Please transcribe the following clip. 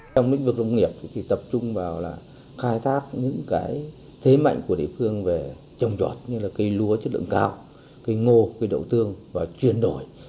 trong lĩnh vực nông nghiệp thì tập trung vào là khai thác những cái thế mạnh của địa phương về trồng trọt như là cây lúa chất lượng cao cây ngô cây đậu tương và chuyển đổi